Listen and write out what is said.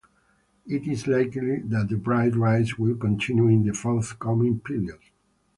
It is likely that the price rise will continue in the forthcoming period.